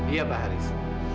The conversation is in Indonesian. iya pak haris